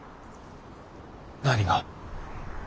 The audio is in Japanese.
何が？